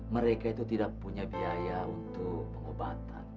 mereka itu tidak punya biaya untuk pengobatan